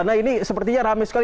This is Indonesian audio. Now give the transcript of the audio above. nah ini sepertinya rame sekali